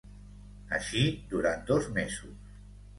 Així, durant dos mesos.